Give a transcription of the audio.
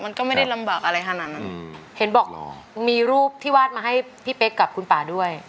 มันก็ไม่ได้ลำบากอะไรขนาดนั้นเห็นบอกมีรูปที่วาดมาให้พี่เป๊กกับคุณป่าด้วย